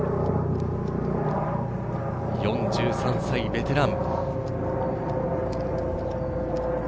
４３歳、ベテラン。